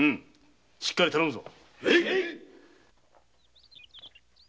しっかり頼むぞ。